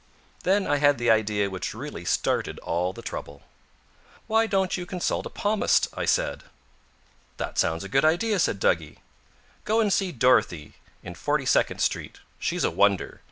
Then I had the idea which really started all the trouble. "Why don't you consult a palmist?" I said. "That sounds a good idea," said Duggie. "Go and see Dorothea in Forty second Street. She's a wonder.